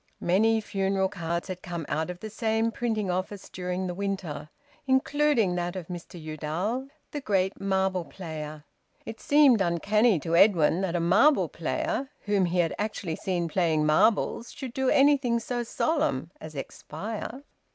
Many funeral cards had come out of the same printing office during the winter, including that of Mr Udall, the great marble player. It seemed uncanny to Edwin that a marble player whom he had actually seen playing marbles should do anything so solemn as expire.